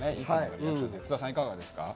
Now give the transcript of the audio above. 津田さん、いかがですか？